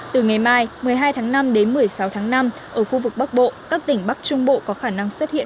từ ngày mai một mươi hai tháng năm đến một mươi sáu tháng năm ở khu vực bắc bộ các tỉnh bắc trung bộ có khả năng xuất hiện